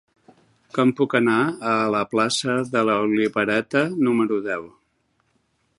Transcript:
Com puc anar a la plaça de l'Olivereta número deu?